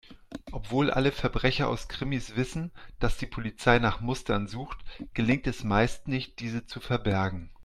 Obwohl alle Verbrecher aus Krimis wissen, dass die Polizei nach Mustern sucht, gelingt es meist nicht, diese zu verbergen.